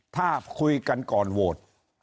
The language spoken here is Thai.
ถ้าคุยกันก่อนโหวต